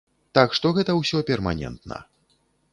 Так што гэта ўсё перманентна.